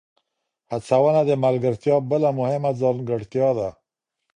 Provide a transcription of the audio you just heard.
هڅونه د ملګرتیا بله مهمه ځانګړتیا ده.